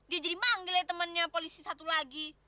dia jadi manggil ya temannya polisi satu lagi